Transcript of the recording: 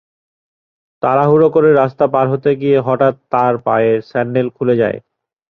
তাড়াহুড়া করে রাস্তা পার হতে গিয়ে হঠাৎ তাঁর পায়ের স্যান্ডেল খুলে যায়।